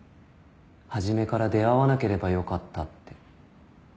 初めから出会わなければよかったって。